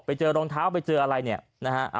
ไปเจอรองเท้าไปเจออะไรเนี่ยนะฮะ